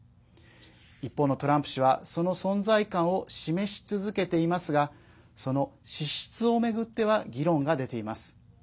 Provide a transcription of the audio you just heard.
一方のトランプ氏はその存在感を示し続けていますがその資質を巡っては議論が出ています。